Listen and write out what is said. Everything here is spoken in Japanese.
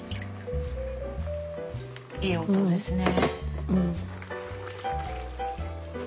いい音ですね。